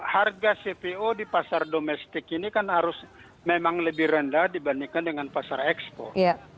harga cpo di pasar domestik ini kan harus memang lebih rendah dibandingkan dengan pasar ekspor